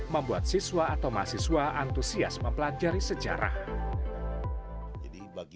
membuat siswa atau mahasiswa antusias mempelajari sejarah